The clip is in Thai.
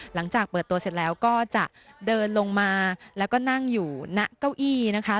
หลังจากเปิดตัวเสร็จแล้วก็จะเดินลงมาแล้วก็นั่งอยู่ณเก้าอี้นะคะ